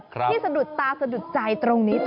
สะดุดตาสะดุดใจตรงนี้